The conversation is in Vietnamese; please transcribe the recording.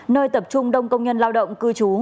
nơi tập trung đông công nhân lao động cư trú